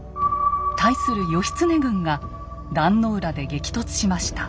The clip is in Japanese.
対する義経軍が壇の浦で激突しました。